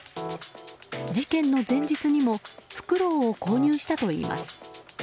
事件の前日にもフクロウを購入したといいます。